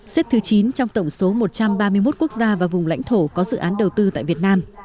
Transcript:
xếp thứ chín trong tổng số một trăm ba mươi một quốc gia và vùng lãnh thổ có dự án đầu tư tại việt nam